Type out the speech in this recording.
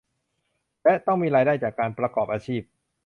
และต้องมีรายได้จากการประกอบอาชีพ